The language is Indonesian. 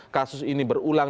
kasus ini berulang